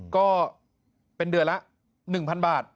ก็เป็นเดือนละ๑๐๐๐บาท